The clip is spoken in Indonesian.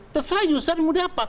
terserah user muda apa